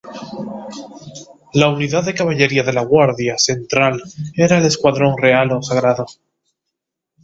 La unidad de caballería de la guardia central era el escuadrón real o sagrado.